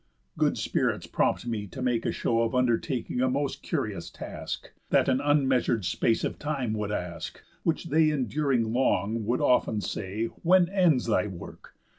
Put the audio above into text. Good spirits prompted me to make a show Of undertaking a most curious task, That an unmeasur'd space of time would ask; Which they enduring long would often say, When ends thy work?